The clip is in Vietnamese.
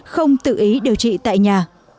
không tự ý điều trị tại nhà